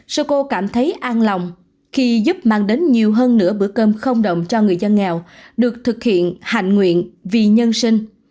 sô cô cảm thấy an lòng khi giúp mang đến nhiều hơn nữa bữa cơm không đồng cho người dân nghèo được thực hiện hạnh nguyện vì nhân sinh